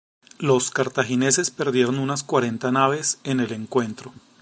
Los cartagineses perdieron unas cuarenta naves en el encuentro.